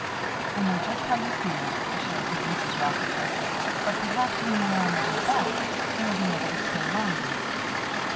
"I know just how you feel," assured Mrs. Rossiter. "But perhaps, when you are on your way back, you'll be able to stay longer."